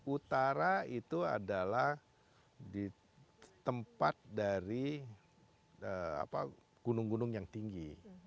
utara itu adalah di tempat dari gunung gunung yang tinggi